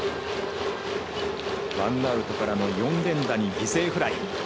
ワンアウトからの４連打に犠牲フライ。